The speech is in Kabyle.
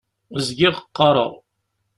Zgiɣ qqaṛeɣ.